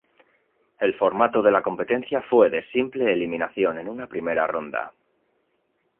El formato de la competencia fue de simple eliminación en una Primera Ronda.